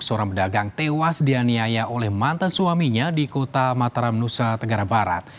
seorang pedagang tewas dianiaya oleh mantan suaminya di kota mataram nusa tenggara barat